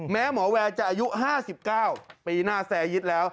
แม้หมอแวร์จะอายุ๕๙ปีหน้าแซร์ยึดแล้ว